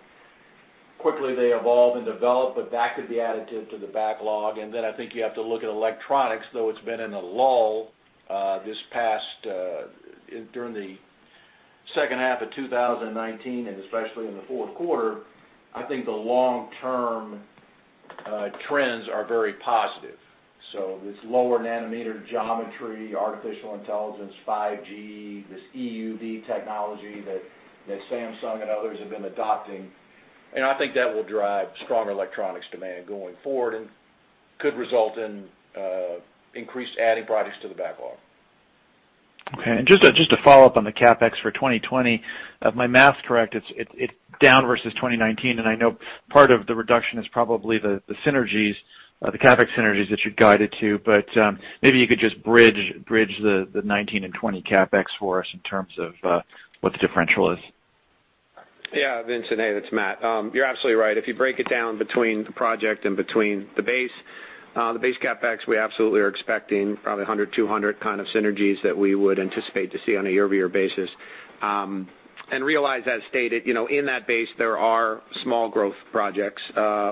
quickly they evolve and develop. That could be additive to the backlog. I think you have to look at electronics, though it's been in a lull during the second half of 2019 and especially in the fourth quarter. I think the long-term trends are very positive. This lower nanometer geometry, artificial intelligence, 5G, this EUV technology that Samsung and others have been adopting. I think that will drive stronger electronics demand going forward and could result in increased adding projects to the backlog. Okay. Just to follow up on the CapEx for 2020. If my math's correct, it's down versus 2019. I know part of the reduction is probably the CapEx synergies that you'd guided to. Maybe you could just bridge the 2019 and 2020 CapEx for us in terms of what the differential is. Yeah, Vincent. Hey, it's Matt. You're absolutely right. If you break it down between the project and between the base, the base CapEx, we absolutely are expecting probably $100, $200 kind of synergies that we would anticipate to see on a year-over-year basis. Realize, as stated, in that base, there are small growth projects,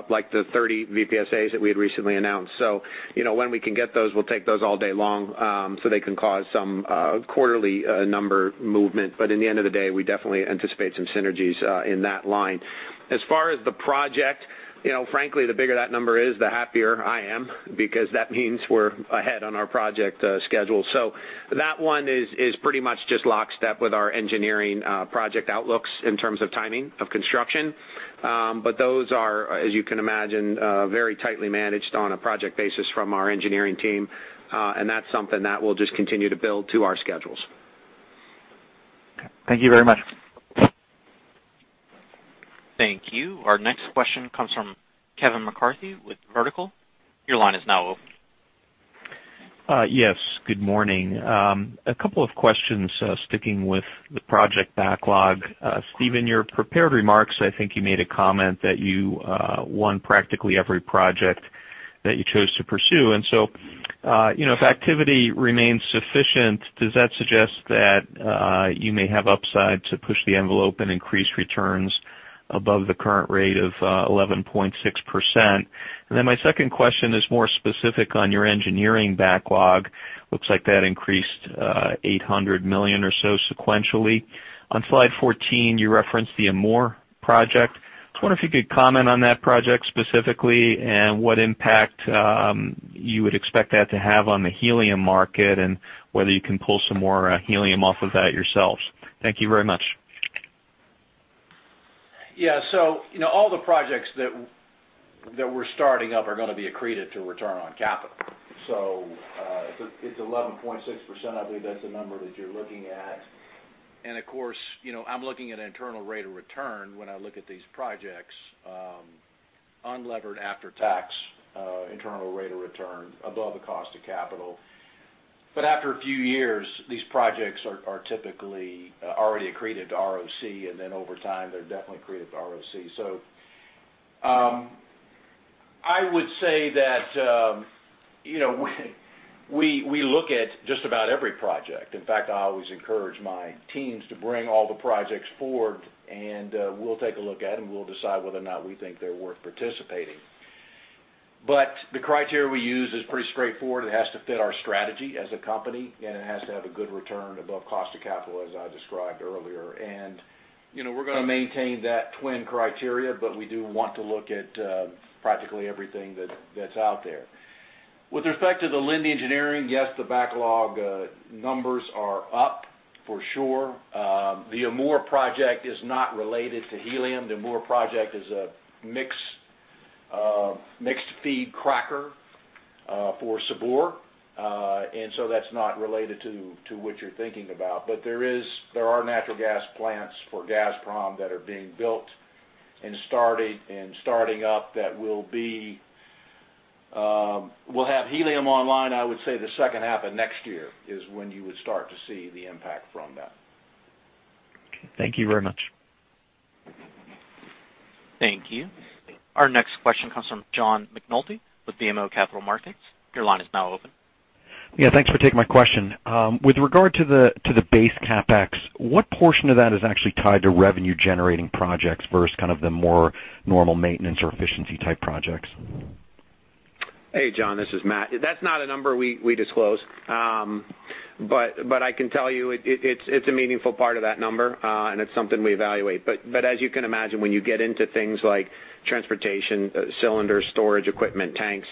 like the 30 VPSA that we had recently announced. When we can get those, we'll take those all day long, so they can cause some quarterly number movement. In the end of the day, we definitely anticipate some synergies in that line. As far as the project, frankly, the bigger that number is, the happier I am, because that means we're ahead on our project schedule. That one is pretty much just lockstep with our engineering project outlooks in terms of timing of construction. Those are, as you can imagine, very tightly managed on a project basis from our engineering team. That's something that we'll just continue to build to our schedules. Okay. Thank you very much. Thank you. Our next question comes from Kevin McCarthy with Vertical. Your line is now open. Yes, good morning. A couple of questions, sticking with the project backlog. Steve, your prepared remarks, I think you made a comment that you won practically every project that you chose to pursue. If activity remains sufficient, does that suggest that you may have upside to push the envelope and increase returns above the current rate of 11.6%? My second question is more specific on your engineering backlog. Looks like that increased $800 million or so sequentially. On slide 14, you referenced the Amur project. I just wonder if you could comment on that project specifically and what impact you would expect that to have on the helium market, and whether you can pull some more helium off of that yourselves. Thank you very much. Yeah. All the projects that we're starting up are going to be accreted to return on capital. If it's 11.6%, I believe that's the number that you're looking at. Of course, I'm looking at internal rate of return when I look at these projects, unlevered after tax internal rate of return above the cost of capital. After a few years, these projects are typically already accreted to ROC, and then over time, they're definitely accreted to ROC. I would say that we look at just about every project. In fact, I always encourage my teams to bring all the projects forward, and we'll take a look at and we'll decide whether or not we think they're worth participating. The criteria we use is pretty straightforward. It has to fit our strategy as a company. It has to have a good return above cost of capital, as I described earlier. We're going to maintain that twin criteria, but we do want to look at practically everything that's out there. With respect to the Linde Engineering, yes, the backlog numbers are up for sure. The Amur project is not related to helium. The Amur project is a mixed feed cracker for SABIC. That's not related to what you're thinking about. There are natural gas plants for Gazprom that are being built and starting up that will have helium online, I would say, the second half of next year is when you would start to see the impact from that. Okay. Thank you very much. Thank you. Our next question comes from John McNulty with BMO Capital Markets. Your line is now open. Yeah, thanks for taking my question. With regard to the base CapEx, what portion of that is actually tied to revenue-generating projects versus kind of the more normal maintenance or efficiency type projects? Hey, John, this is Matt. That's not a number we disclose. I can tell you it's a meaningful part of that number, and it's something we evaluate. As you can imagine, when you get into things like transportation, cylinders, storage equipment, tanks,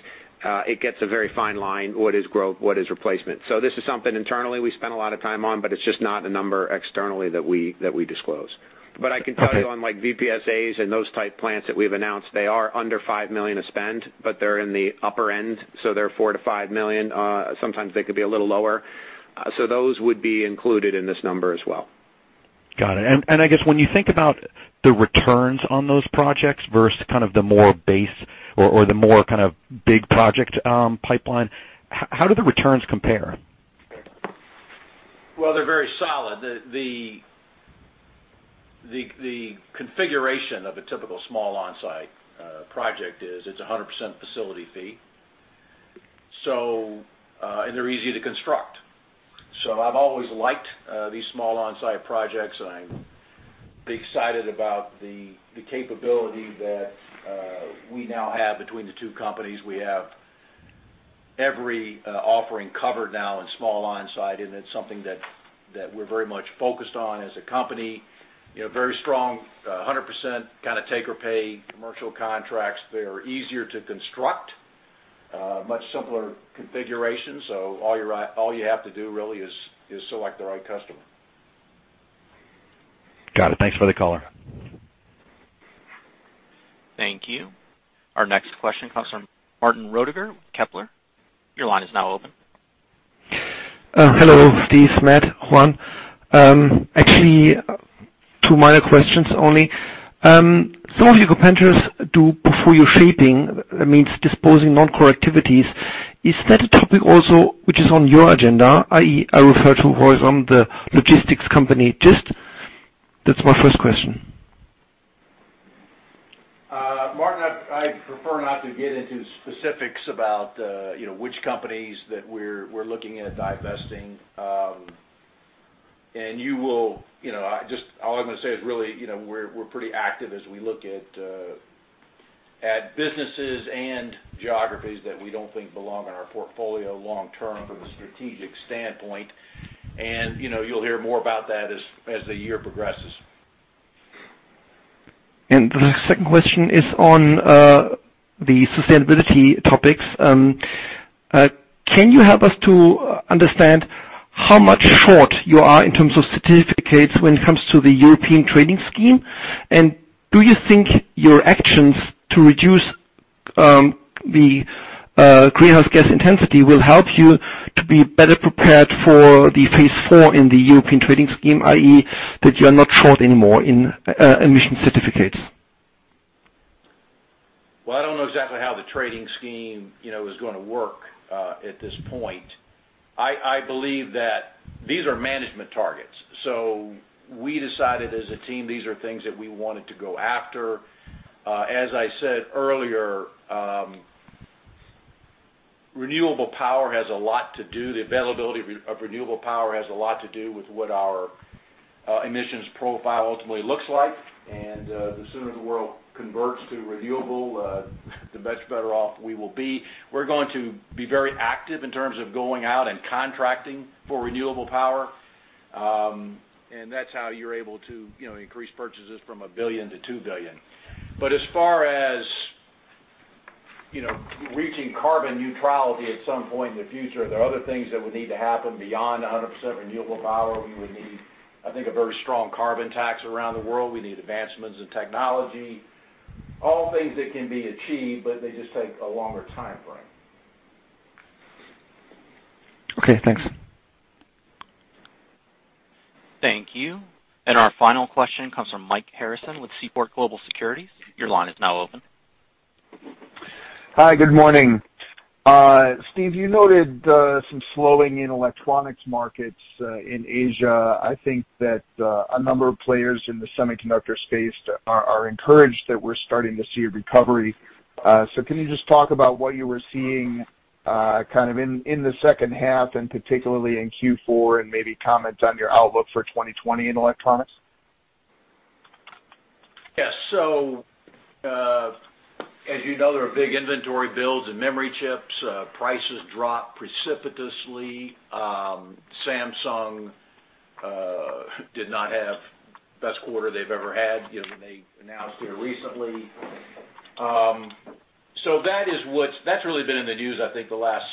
it gets a very fine line, what is growth, what is replacement. This is something internally we spend a lot of time on, but it's just not a number externally that we disclose. Okay. I can tell you on VPSA and those type plants that we've announced, they are under $5 million of spend, but they're in the upper end, so they're $4 million-$5 million. Sometimes they could be a little lower. Those would be included in this number as well. Got it. I guess when you think about the returns on those projects versus kind of the more base or the more kind of big project pipeline, how do the returns compare? Well, they're very solid. The configuration of a typical small on-site project is it's 100% facility fee. They're easy to construct. I've always liked these small on-site projects. I'm excited about the capability that we now have between the two companies. We have every offering covered now in small on-site, and it's something that we're very much focused on as a company. Very strong, 100% kind of take or pay commercial contracts. They are easier to construct. Much simpler configuration. All you have to do really is select the right customer. Got it. Thanks for the color. Thank you. Our next question comes from Martin Roediger, Kepler. Your line is now open. Hello, Steve, Matt, Juan. Actually, two minor questions only. Some of you competitors do, portfolio shaping, means disposing non-core activities. Is that a topic also which is on your agenda, i.e., I refer to Royce on the logistics company, Gist? That's my first question. Martin, I'd prefer not to get into specifics about which companies that we're looking at divesting. All I'm going to say is really we're pretty active as we look at businesses and geographies that we don't think belong in our portfolio long-term from a strategic standpoint. You'll hear more about that as the year progresses. The second question is on the sustainability topics. Can you help us to understand how much short you are in terms of certificates when it comes to the European Trading Scheme? Do you think your actions to reduce the greenhouse gas intensity will help you to be better prepared for the phase 4 in the European Trading Scheme, i.e., that you are not short anymore in emission certificates? Well, I don't know exactly how the trading scheme is going to work at this point. I believe that these are management targets. We decided as a team, these are things that we wanted to go after. As I said earlier, the availability of renewable power has a lot to do with what our emissions profile ultimately looks like. The sooner the world converts to renewable, the much better off we will be. We're going to be very active in terms of going out and contracting for renewable power. That's how you're able to increase purchases from $1 billion to $2 billion. As far as reaching carbon neutrality at some point in the future, there are other things that would need to happen beyond 100% renewable power. We would need, I think, a very strong carbon tax around the world. We need advancements in technology, all things that can be achieved, but they just take a longer timeframe. Okay, thanks. Thank you. Our final question comes from Mike Harrison with Seaport Global Securities. Your line is now open. Hi, good morning. Steve, you noted some slowing in electronics markets in Asia. I think that a number of players in the semiconductor space are encouraged that we're starting to see a recovery. Can you just talk about what you were seeing kind of in the second half and particularly in Q4, and maybe comment on your outlook for 2020 in electronics? Yes. As you know, there are big inventory builds in memory chips. Prices dropped precipitously. Samsung did not have best quarter they've ever had, they announced it recently. That's really been in the news, I think, the last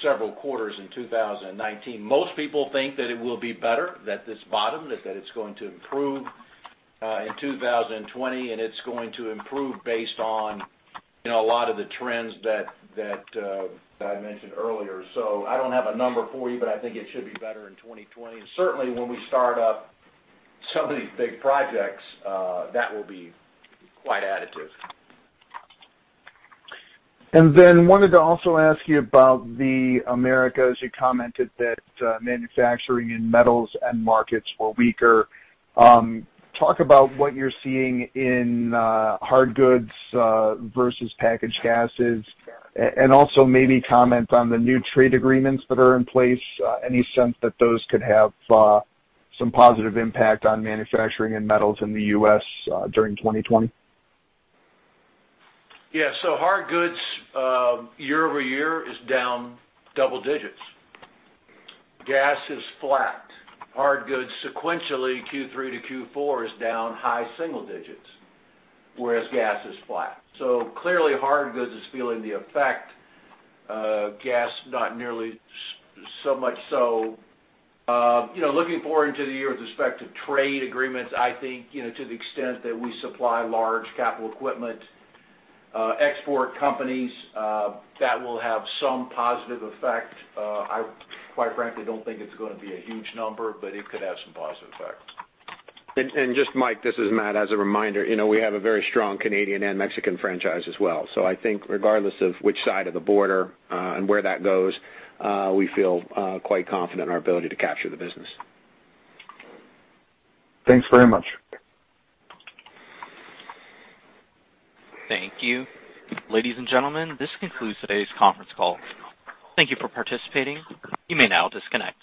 several quarters in 2019. Most people think that it will be better, that this bottom, that it's going to improve in 2020, and it's going to improve based on a lot of the trends that I mentioned earlier. I don't have a number for you, but I think it should be better in 2020. Certainly, when we start up some of these big projects, that will be quite additive. Then wanted to also ask you about the Americas. You commented that manufacturing in metals end markets were weaker. Talk about what you're seeing in hard goods versus packaged gases, and also maybe comment on the new trade agreements that are in place. Any sense that those could have some positive impact on manufacturing and metals in the U.S. during 2020? Yeah. Hard goods year-over-year is down double digits. Gas is flat. Hard goods sequentially Q3 to Q4 is down high single digits, whereas gas is flat. Clearly hard goods is feeling the effect. Gas, not nearly so much so. Looking forward into the year with respect to trade agreements, I think, to the extent that we supply large capital equipment export companies, that will have some positive effect. I quite frankly don't think it's going to be a huge number, but it could have some positive effect. Just Mike, this is Matt. As a reminder, we have a very strong Canadian and Mexican franchise as well. I think regardless of which side of the border and where that goes, we feel quite confident in our ability to capture the business. Thanks very much. Thank you. Ladies and gentlemen, this concludes today's conference call. Thank you for participating. You may now disconnect.